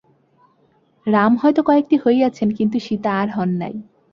রাম হয়তো কয়েকটি হইয়াছেন, কিন্তু সীতা আর হন নাই।